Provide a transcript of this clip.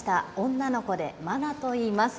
女の子でマナと言います。